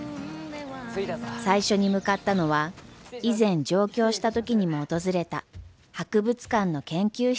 最初に向かったのは以前上京した時にも訪れた博物館の研究室です。